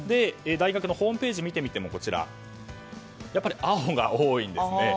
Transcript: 大学のホームページを見てみてもやっぱり青が多いんですね。